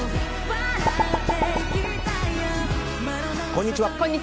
こんにちは。